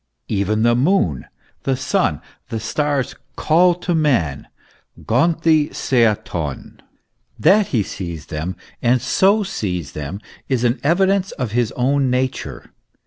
Even the moon, the sun, the stars, call to man Tv^Oi veavrov. That he sees them, and so sees them, is an evidence of his own nature.